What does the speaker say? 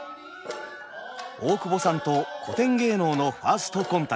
大久保さんと古典芸能のファーストコンタクト。